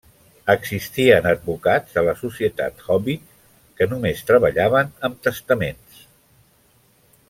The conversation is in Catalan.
Existien advocats a la societat Hòbbit, que només treballaven amb testaments.